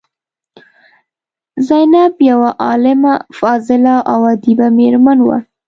زینب یوه عالمه، فاضله او ادیبه میرمن وه.